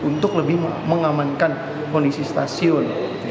untuk lebih mengamankan kondisi stasiun